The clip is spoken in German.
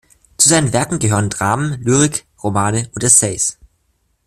Zu seinem Werk gehören Dramen, Lyrik, Romane und Essays.